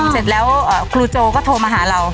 เสร็จแล้วครูโจก็โทรมาหาเรา